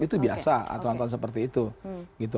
itu biasa atau atau seperti itu